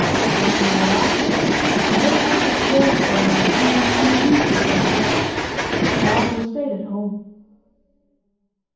Half an hour after, Marian set forth for the Museum in the usual way. Her father stayed at home.